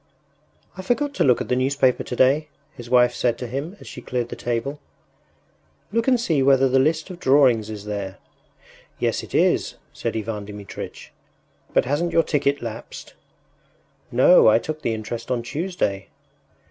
“I forgot to look at the newspaper today,” his wife said to him as she cleared the table. “Look and see whether the list of drawings is there.” “Yes, it is,” said Ivan Dmitritch; “but hasn’t your ticket lapsed?” “No; I took the interest on Tuesday.